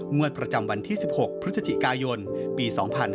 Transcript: งวดประจำวันที่๑๖พฤศจิกายนปี๒๕๕๙